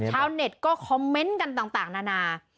ชาวเน็ตก็คอมเมนต์กันต่างนานา